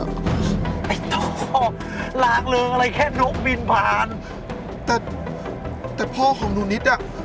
ไอ้ท่อล้างเริงอะไรแค่นกบินผ่านแต่แต่พ่อของหนูนิดอ่ะ